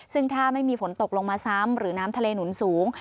ซึ่งถ้าไม่มีฝนตกลงมาซ้ำหรือน้ำทะเลหนุนสูง